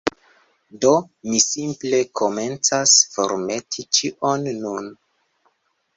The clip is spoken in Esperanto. Do, mi simple komencas formeti ĉion nun